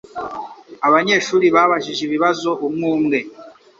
Abanyeshuri babajije ibibazo umwe umwe